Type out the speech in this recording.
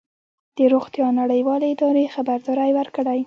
د روغتیا نړیوالې ادارې خبرداری ورکړی